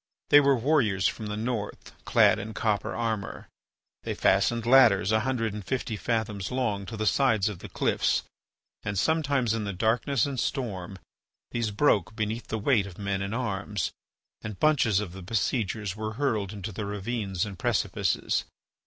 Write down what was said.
They were warriors from the North, clad in copper armour. They fastened ladders a hundred and fifty fathoms long to the sides of the cliffs and sometimes in the darkness and storm these broke beneath the weight of men and arms, and bunches of the besiegers were hurled into the ravines and precipices.